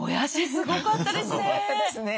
すごかったですね。